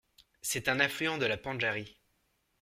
C'est un affluent de la Pendjari.